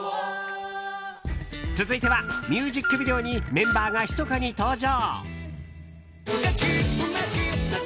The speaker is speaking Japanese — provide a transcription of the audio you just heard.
続いては、ミュージックビデオにメンバーがひそかに登場。